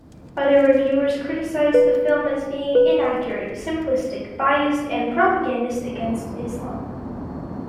Other reviewers criticised the film as being inaccurate, simplistic, biased and propagandist against Islam.